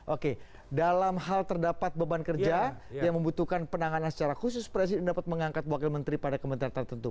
oke dalam hal terdapat beban kerja yang membutuhkan penanganan secara khusus presiden dapat mengangkat wakil menteri pada kementerian tertentu